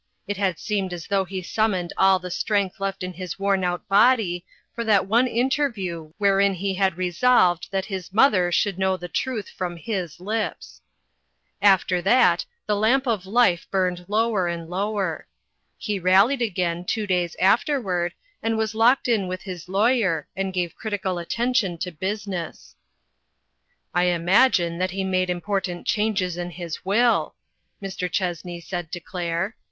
It had seemed as though he summoned all the strength left in his worn out body for that one interview wherein he had resolved that his mother should know the truth from his lips. After that the lamp of life burned lower and lower. He rallied again, two days afterward, and was locked in with his law yer, and gave critical attention to business. "I imagine that he made important changes in his will," Mr. Chessney said to Claire.